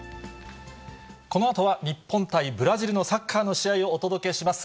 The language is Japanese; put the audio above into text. このあとは日本対ブラジルのサッカーの試合をお届けします。